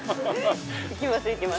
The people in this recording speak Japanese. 行きます行きます。